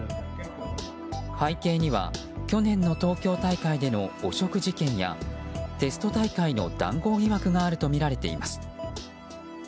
背景には、去年の東京大会での汚職事件やテスト大会の談合疑惑があるとみられています。